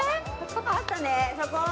あったねそこ！